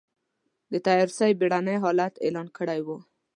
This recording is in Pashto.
د تيارسۍ بېړنی حالت اعلان کړی و.